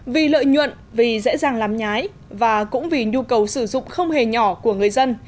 vì lợi nhuận vì dễ dàng làm nhái và cũng vì nhu cầu sử dụng không hề nhỏ của người dân